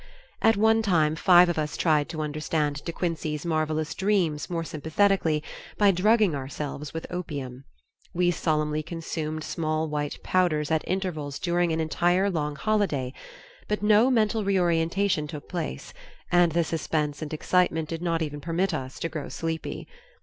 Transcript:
At one time five of us tried to understand De Quincey's marvelous "Dreams" more sympathetically, by drugging ourselves with opium. We solemnly consumed small white powders at intervals during an entire long holiday, but no mental reorientation took place, and the suspense and excitement did not even permit us to grow sleepy.